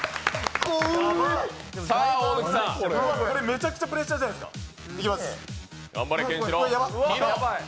めちゃくちゃプレッシャーじゃないですか、いきます。